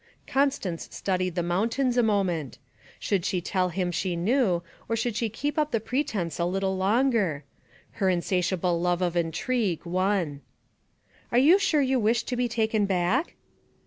Constance studied the mountains a moment. Should she tell him she knew, or should she keep up the pretence a little longer? Her insatiable love of intrigue won. 'Are you sure you wish to be taken back?'